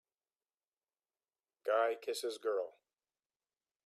Guy Kisses girl